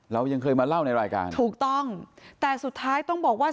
เรายังเคยมาเล่าในรายการถูกต้องแต่สุดท้ายต้องบอกว่า